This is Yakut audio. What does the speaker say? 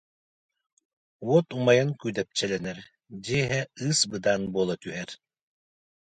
Уот умайан күүдэпчилэнэр, дьиэ иһэ ыыс-быдаан буола түһэр